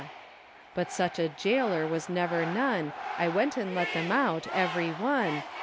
But such a jaylor was never none, I went and let them out everie one.